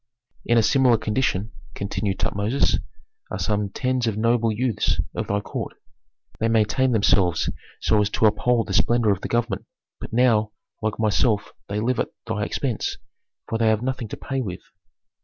"In a similar condition," continued Tutmosis, "are some tens of noble youths of thy court. They maintained themselves so as to uphold the splendor of the government; but now, like myself, they live at thy expense, for they have nothing to pay with."